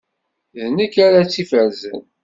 D nekk ara tt-ifersen.